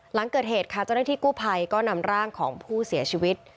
หลังเกิดเหตุค่ะเจ้าหน้าที่กู้ภัยก็นำร่างของผู้เสียชีวิต